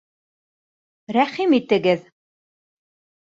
Рәхим итегеҙ...